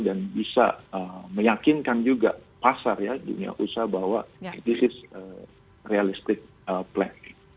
dan bisa meyakinkan juga pasar ya dunia usaha bahwa this is realistic plan